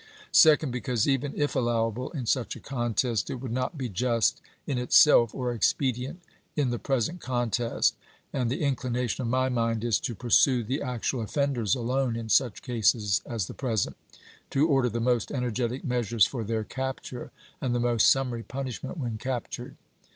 Second. Because, even if allowable in such a contest, it would not be just in itself or expedient in the present contest. .. And the inclination of my mind is, to pursue the actual offenders alone in such cases as the present; to order the most energetic measures for their capture, and the most summary punishment when captured.